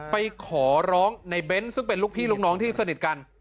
ไปขอร้องในเบนส์ซึ่งเป็นลูกพี่ลูกน้องที่สนิทกัน